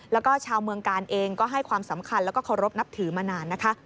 แล้วก็ชาวเมืองกาลเองก็ให้ความสำคัญแล้วก็เคารพนับถือมานานนะคะ